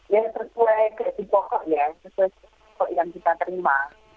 ya sesuai gaji pokok ya sesuai pokok yang kita terima